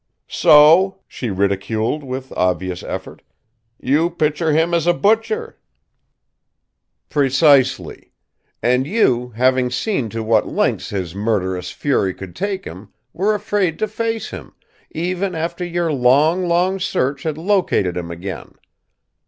"So!" she ridiculed, with obvious effort. "You picture him as a butcher." "Precisely. And you, having seen to what lengths his murderous fury could take him, were afraid to face him even after your long, long search had located him again.